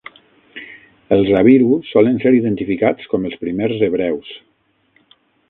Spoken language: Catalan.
Els habiru solen ser identificats com els primers hebreus.